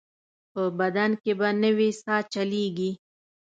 په بدن کې به نوې ساه چلېږي.